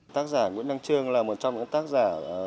tác giả nguyễn đăng trương là một trong những tác giả